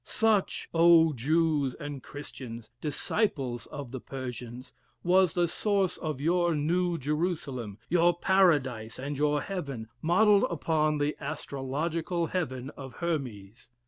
Such, O Jews and Christians! disciples of the Persians, was the source of your New Jerusalem, your paradise and your heaven, modelled upon the astrological heaven of Hermes.